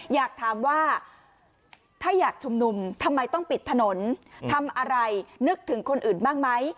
อยากถามว่าถ้าอยากชุมนุมทำไมต้องปิดถนนทำอะไรนึกถึงคนอื่นบ้างไหม